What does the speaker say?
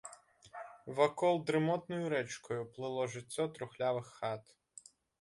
Вакол дрымотнаю рэчкаю плыло жыццё трухлявых хат.